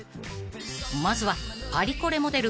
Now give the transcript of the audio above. ［まずは］